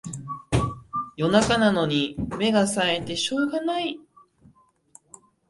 夜中なのに目がさえてしょうがない